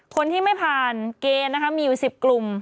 คนที่ไม่ผ่านเกณฑ์นะคะมีอยู่๑๐กลุ่ม